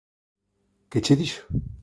Que che dixo?